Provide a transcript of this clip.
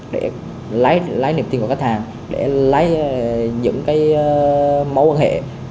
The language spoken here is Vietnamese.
để lấy niềm tin của khách hàng để lấy những cái mối quan hệ